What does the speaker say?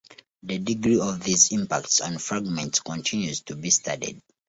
The degree of these impacts on fragments continues to be studied.